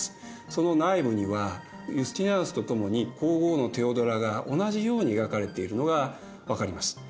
その内部にはユスティニアヌスとともに皇后のテオドラが同じように描かれているのが分かります。